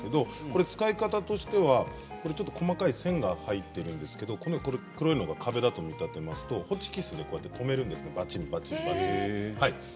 使い方としては、細かい線が入っているんですけれど黒いのが壁だと見立てるとホチキスでバチンバチンと留めます。